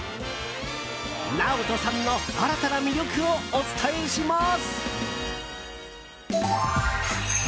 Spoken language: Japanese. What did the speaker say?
ＮＡＯＴＯさんの新たな魅力をお伝えします！